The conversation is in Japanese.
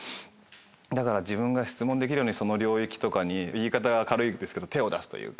だから自分が質問できるようにその領域とかに。言い方軽いですけど手を出すというか。